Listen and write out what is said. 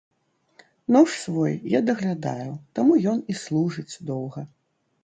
Нож свой я даглядаю, таму ён і служыць доўга.